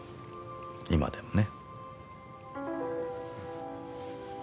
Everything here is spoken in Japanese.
今でもね。